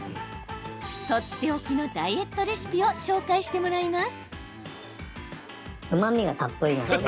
とっておきのダイエットレシピを紹介してもらいます。